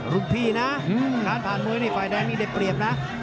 รุ่นพี่นะทานผ่านมื้อในฝ่ายแดงอีกเด็ดเปรียบนะ